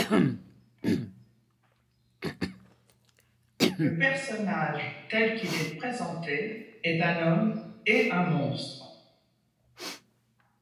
Le personnage, tel qu'il est présenté, est un homme et un monstre.